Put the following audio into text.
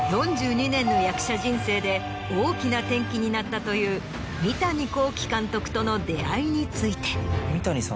４２年の役者人生で大きな転機になったという三谷幸喜監督との出会いについて。